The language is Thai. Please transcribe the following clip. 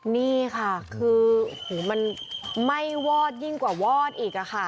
นี่ค่ะคือมันไหม้วอดยิ่งกว่าวอดอีกค่ะ